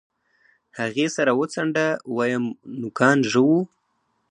هغې سر وڅنډه ويم نوکان ژوو.